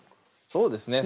そうですね